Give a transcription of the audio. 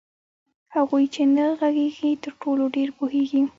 هغوئ چي نه ږغيږي ترټولو ډير پوهيږي